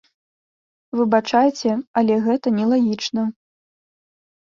Выбачайце, але гэта нелагічна.